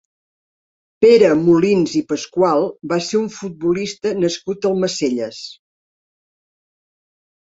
Pere Molins i Pascual va ser un futbolista nascut a Almacelles.